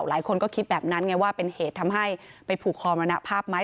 หลายคนก็คิดแบบนั้นไงว่าเป็นเหตุทำให้ไปผูกคอมรณภาพไหม